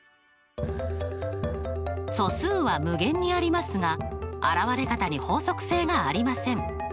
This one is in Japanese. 素数は無限にありますが現れ方に法則性がありません。